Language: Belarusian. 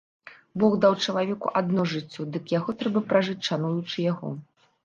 Бог даў чалавеку адно жыццё, дык яго трэба пражыць шануючы яго.